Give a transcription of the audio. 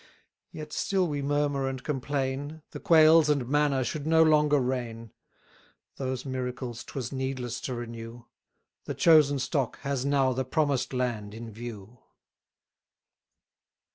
Yet still we murmur and complain, The quails and manna should no longer rain; Those miracles 'twas needless to renew; The chosen stock has now the promised land in view.